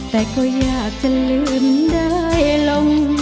แต่ก็อยากจะลืมได้ลง